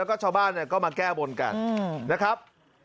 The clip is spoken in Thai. แก้บนกันนะครับ